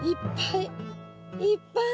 いっぱい。